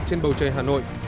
trên bầu trời hà nội